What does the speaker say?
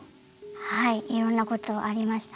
はいいろんなことありましたはい。